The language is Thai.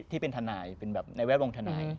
ที่เป็นทนายเป็นแบบในแวดวงทนาย